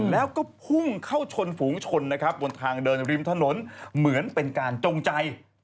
แล้วก็พุ่งเข้าชนฝูงชนนะครับบนทางเดินริมถนนเหมือนเป็นการจงใจ